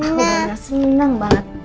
aku benar benar senang banget